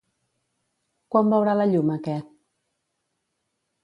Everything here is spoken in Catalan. Quan veurà la llum aquest?